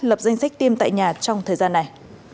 lập danh sách tiêm tại nhà trong thời gian này